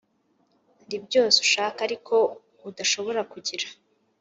ndi byose ushaka ariko udashobora kugira.